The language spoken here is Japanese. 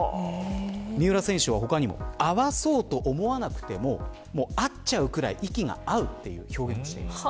三浦選手は他にも合わせようと思わなくても合っちゃうくらい息が合うという表現をしています。